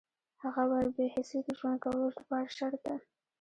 هغه وویل بې حسي د ژوند کولو لپاره شرط ده